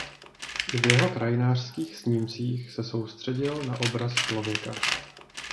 I v jeho krajinářských snímcích se soustředil na obraz člověka.